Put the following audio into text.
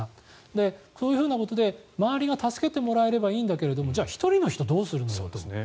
そういうことで周りに助けてもらえればいいんだけどじゃあ１人の人どうするんだろうと。